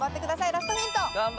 ラストヒント。